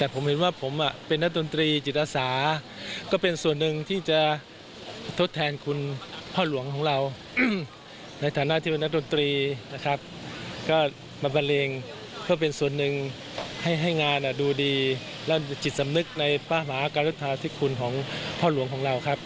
ป้าหมาการรัฐศาสตร์ที่คุณของพ่อหลวงของเราครับ